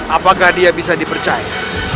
apakah dia bisa dipercaya